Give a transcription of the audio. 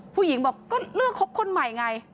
ผู้หญิงบอกก็เลือกคบคนใหม่ไง